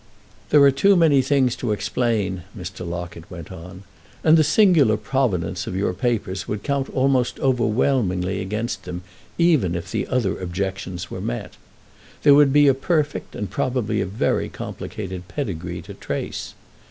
"There are too many things to explain," Mr. Locket went on, "and the singular provenance of your papers would count almost overwhelmingly against them even if the other objections were met. There would be a perfect and probably a very complicated pedigree to trace.